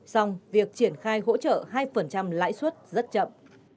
xong việc triển khai hỗ trợ hai lãi suất rất chậm